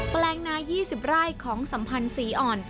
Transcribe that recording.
แปลงนา๒๐ไร่ของสัมพันธ์ศรีอ่อน